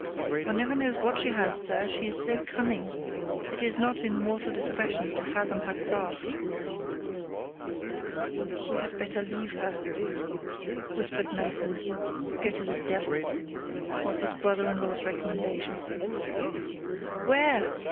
"One never knows what she has, sir: she is so cunning: it is not in mortal discretion to fathom her craft." "We had better leave her," whispered Mason. "Go to the devil!" was his brother in law's recommendation. "'Ware!"